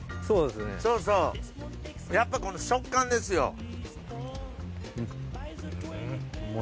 そうそうやっぱこの食感ですよ。